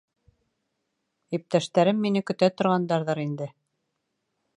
— Иптәштәрем мине көтә торғандарҙыр инде.